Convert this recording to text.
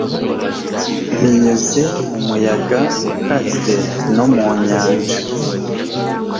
Binyuze mu muyaga ukaze no mu nyanja